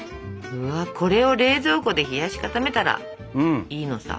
これを冷蔵庫で冷やし固めたらいいのさ。